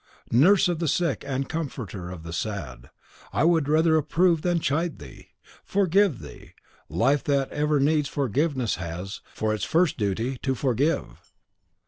nurse of the sick, and comforter of the sad, I should rather approve than chide thee. Forgive thee! Life, that ever needs forgiveness, has, for its first duty, to forgive."